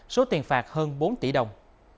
số tiền phạt hơn bốn tỷ đồng